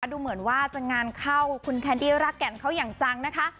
ดูเหมือนว่าจะงานเข้าคุณแคนดี้รักแก่นเขาอย่างจังนะคะ